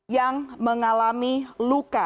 yang mengalami luka